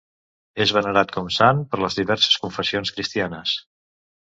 És venerat com s sant per les diverses confessions cristianes.